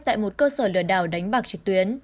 tại một cơ sở lừa đảo đánh bạc trực tuyến